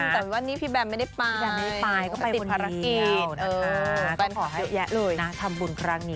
แต่ว่านี้พี่แบมไม่ได้ไปติดภารกิจนะคะขอให้ทำบุญครั้งนี้